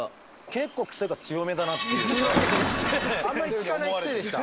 結構あんまり聞かないクセでした。